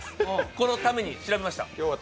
このために調べました。